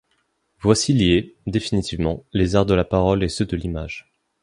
Voici liés, définitivement, les arts de la parole et ceux de l'image.